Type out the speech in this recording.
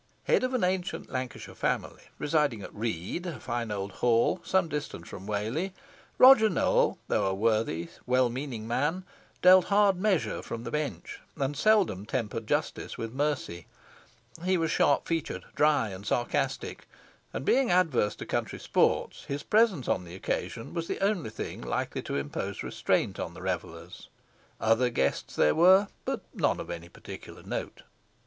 Head of an ancient Lancashire family, residing at Read, a fine old hall, some little distance from Whalley, Roger Nowell, though a worthy, well meaning man, dealt hard measure from the bench, and seldom tempered justice with mercy. He was sharp featured, dry, and sarcastic, and being adverse to country sports, his presence on the occasion was the only thing likely to impose restraint on the revellers. Other guests there were, but none of particular note.